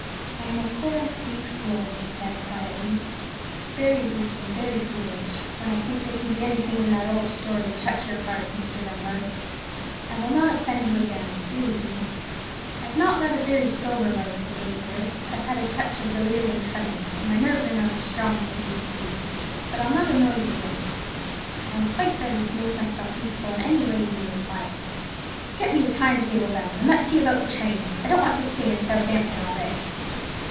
"I am a poor weak fool," he said, quietly; "very weak and very foolish, when I think there can be anything in that old story to touch your heart, Mr. Dunbar. I will not offend you again, believe me. I have not led a very sober life of late years: I've had a touch of delirium tremens, and my nerves are not as strong as they used to be: but I'll not annoy you again. I'm quite ready to make myself useful in any way you may require." "Get me a time table, then, and let's see about the trains. I don't want to stay in Southampton all day."